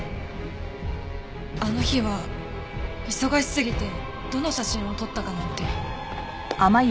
あの日は忙しすぎてどの写真を撮ったかなんて。